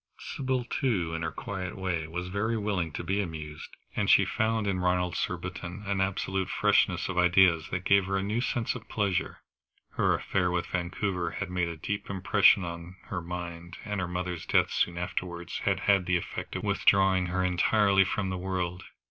Sybil, too, in her quiet way, was very willing to be amused, and she found in Ronald Surbiton an absolute freshness of ideas that gave her a new sense of pleasure. Her affair with Vancouver had made a deep impression on her mind, and her mother's death soon afterwards had had the effect of withdrawing her entirely from the world.